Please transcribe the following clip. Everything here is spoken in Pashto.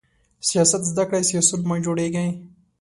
سیاست زده کړئ، سیاسیون مه جوړیږئ!